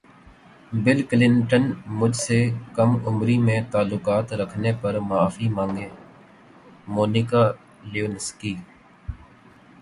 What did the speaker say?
بل Clinton مجھ سے کم عمری میں تعلقات رکھنے پر معافی مانگیں مونیکا لیونسکی